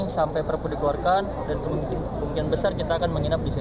sampai perpu dikeluarkan dan kemungkinan besar kita akan menginap di sini